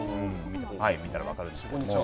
見たら分かるんですけれども。